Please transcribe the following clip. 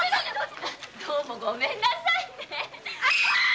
どうもごめんなさいね。